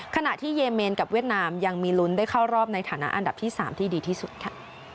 ขณะที่เยเมนกับเวียดนามยังมีลุ้นได้เข้ารอบในฐานะอันดับที่๓ที่ดีที่สุดค่ะ